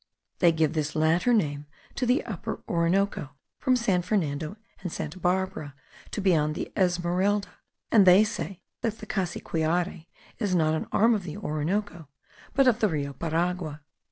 They give this latter name to the Upper Orinoco, from San Fernando and Santa Barbara to beyond the Esmeralda, and they say that the Cassiquiare is not an arm of the Orinoco, but of the Rio Paragua.